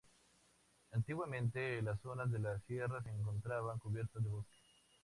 Antiguamente las zonas de la sierra se encontraban cubiertas de bosque.